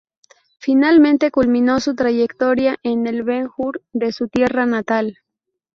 Finalmente culminó su trayectoria en el Ben Hur de su tierra natal.